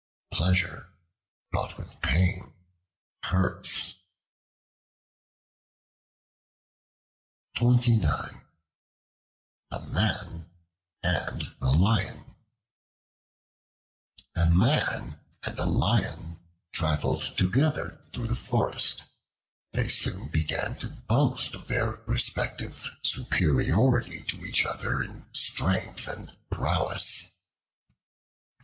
Pleasure bought with pains, hurts. The Man and the Lion A MAN and a Lion traveled together through the forest. They soon began to boast of their respective superiority to each other in strength and prowess.